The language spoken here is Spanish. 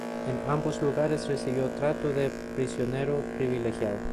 En ambos lugares recibió trato de prisionero privilegiado.